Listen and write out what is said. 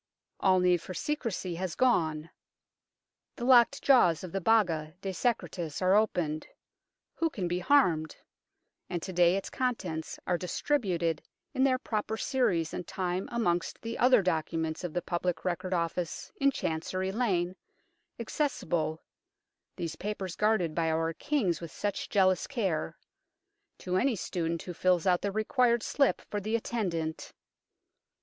All need for secrecy has gone ; the locked jaws of the Baga de Secretis are opened who can be harmed ? and to day its contents are distributed in their proper series and time amongst the other documents of the Public Record Office in Chancery Lane, accessible these papers guarded by our Kings with such jealous care to any student who fills out the required slip for the attendant.